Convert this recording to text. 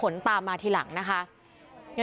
นี่นี่นี่